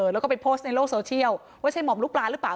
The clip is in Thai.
แล้วก็ไปโพสต์ในโลกโซเชียลว่าใช่หม่อมลูกปลาหรือเปล่า